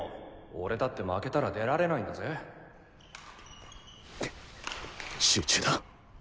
俺だって負けたら出られないんだぜ集中だ！